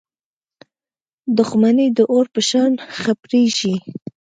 • دښمني د اور په شان خپرېږي.